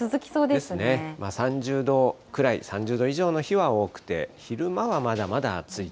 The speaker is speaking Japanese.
ですね、３０度くらい、３０度以上の日は多くて、昼間はまだまだ暑い。